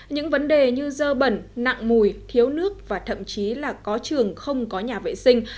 những vấn đề như dơ bẩn nặng mùi thiếu nước và thậm chí là có trường không có nhà vệ sinh